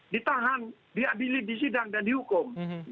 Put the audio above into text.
ditahan diadili di sidang dan dihukum